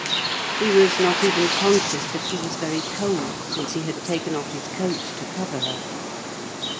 He was not even conscious that he was very cold, since he had taken off his coat to cover her.